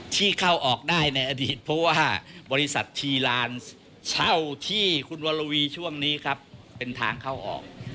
ที่เข้าออกได้ในอดีตเพราะว่าบริษัททีลานเช่าที่คุณวรวีช่วงนี้ครับเป็นทางเข้าออก